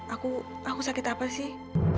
aku aku sakit apa sih